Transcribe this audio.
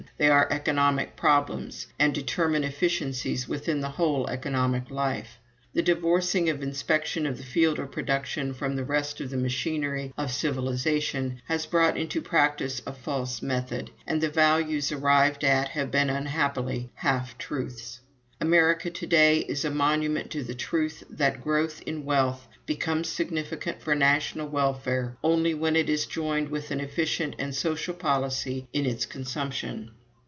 They are economic problems, and determine efficiencies within the whole economic life. The divorcing for inspection of the field of production from the rest of the machinery of civilization has brought into practice a false method, and the values arrived at have been unhappily half truths. America to day is a monument to the truth that growth in wealth becomes significant for national welfare only when it is joined with an efficient and social policy in its consumption.